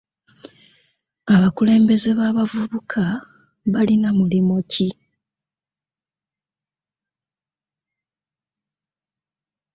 Abakulembeze b'abavuvuka balina muli ki?